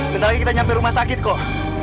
bentar lagi kita nyampe rumah sakit kok